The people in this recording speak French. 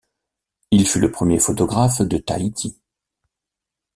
Il fut le premier photographe de Tahiti.